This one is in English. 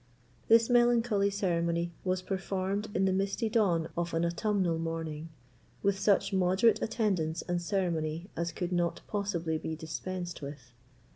This melancholy ceremony was performed in the misty dawn of an autumnal morning, with such moderate attendance and ceremony as could not possibly be dispensed with.